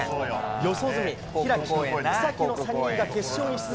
四十住、開、草木の３人が決勝に出場。